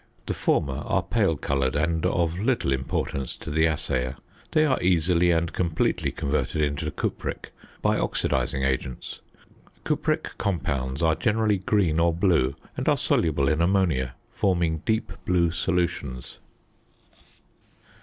The former are pale coloured and of little importance to the assayer. They are easily and completely converted into cupric by oxidising agents. Cupric compounds are generally green or blue, and are soluble in ammonia, forming deep blue solutions.